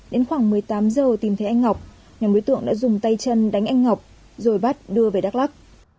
đến khoảng một mươi tám giờ tìm thấy anh ngọc nhóm đối tượng đã dùng tay chân đánh anh ngọc rồi bắt đưa về đắk lắc